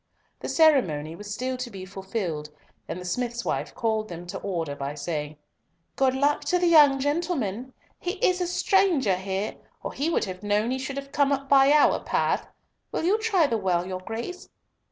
The ceremony was still to be fulfilled, and the smith's wife called them to order by saying, "Good luck to the young gentleman. He is a stranger here, or he would have known he should have come up by our path! Will you try the well, your Grace?"